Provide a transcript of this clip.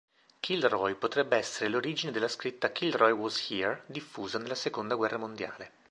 Kilroy potrebbe essere l'origine della scritta "Kilroy was here" diffusa nella seconda guerra mondiale.